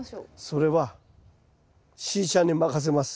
それはしーちゃんに任せます。